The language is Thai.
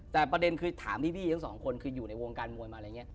แต่ประเด็นคือถามพี่ทั้งสองคนคืออยู่ในวงการมวยมาอะไรอย่างนี้